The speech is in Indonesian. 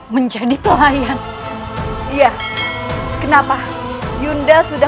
menjadi pelayan dinda